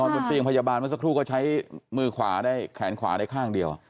บนเตียงพยาบาลเมื่อสักครู่ก็ใช้มือขวาได้แขนขวาได้ข้างเดียว